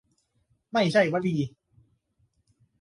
ไม่ใช่วลี